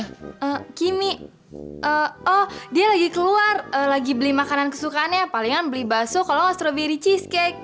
eh kimi eh oh dia lagi keluar lagi beli makanan kesukaannya palingan beli baso kalo ga strawberry cheesecake